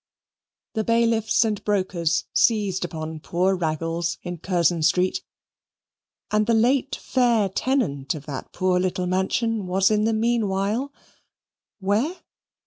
The bailiffs and brokers seized upon poor Raggles in Curzon Street, and the late fair tenant of that poor little mansion was in the meanwhile where?